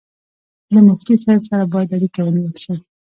له مفتي صاحب سره باید اړیکه ونیول شي.